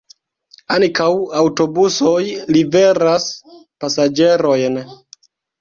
Ankaŭ aŭtobusoj liveras pasaĝerojn.